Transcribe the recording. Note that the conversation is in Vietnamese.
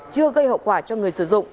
chưa gây hậu quả cho người sử dụng